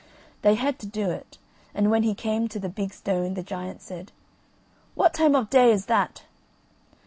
They had to do it; and when he came to the big stone, the giant said: "What time of day is that?"